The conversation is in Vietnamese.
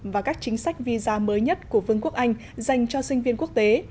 và các chính sách visa mới nhất của vương quốc anh dành cho sinh viên quốc tế